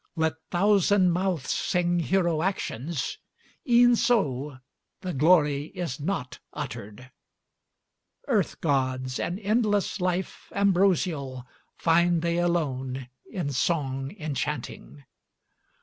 Let thousand mouths sing hero actions: E'en so, the glory is not uttered. Earth gods an endless life, ambrosial, Find they alone in song enchanting.